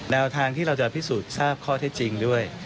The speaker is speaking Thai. แนวทางที่เราจะพิสูจน์ทราบข้อเท็จจริงด้วย